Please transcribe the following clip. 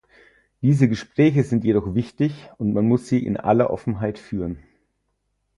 Diese Gespräche sind jedoch wichtig, und man muss sie in aller Offenheit führen.